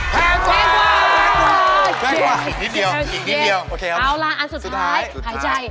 แพงกว่าอีกนิดเดียวโอเคครับสุดท้ายหายใจ